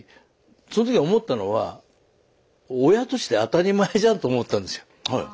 その時思ったのは親として当たり前じゃん！と思ったんですよ。